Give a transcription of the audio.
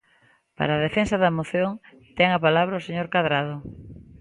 Para a defensa da moción, ten a palabra o señor Cadrado.